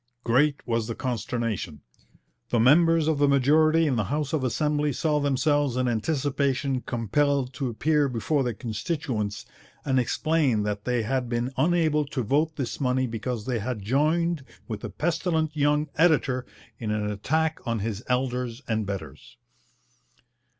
Great was the consternation. The members of the majority in the House of Assembly saw themselves in anticipation compelled to appear before their constituents and explain that they had been unable to vote this money because they had joined with a pestilent young editor in an attack on his elders and betters.